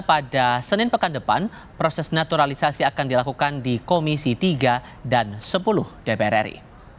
pada senin pekan depan proses naturalisasi akan dilakukan di komisi tiga dan sepuluh dpr ri